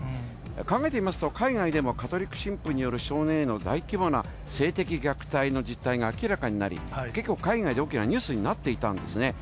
考えてみますと、海外でもカトリック神父による少年への大規模な性的虐待の実態が明らかになり、結構、海外で大きなニュースになっていたんですね。